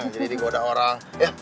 jadi digoda orang